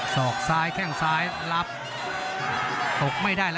ศอกซ้ายข้าวซ้าย